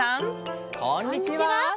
こんにちは！